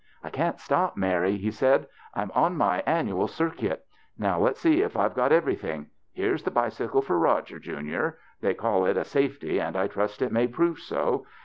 " I can't stop, Mary," he said ;" I'm on my THE BACHELORS CHRISTMAS 13 annual circuit. Now let's see if I've got everything. Here's the bicycle for Eoger, junior. They call it * a safety,' and I trust it may prove so.